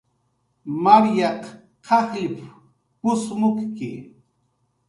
"Marya qajll p""usmukki"